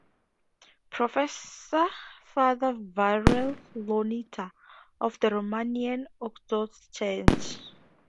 Professor Father Viorel Ionita, of the Romanian Orthodox Church.